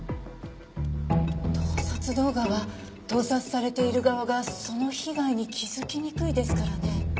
盗撮動画は盗撮されている側がその被害に気づきにくいですからね。